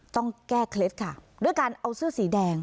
ต้องแก้เคล็ดค่ะด้วยการเอาเสื้อสีแดง